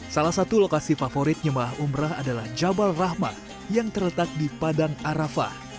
salah satu lokasi favorit jemaah umrah adalah jabal rahmah yang terletak di padang arafah